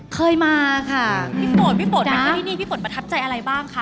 เคยมาหัวขัน